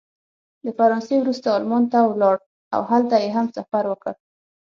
د فرانسې وروسته المان ته ولاړ او هلته یې هم سفر وکړ.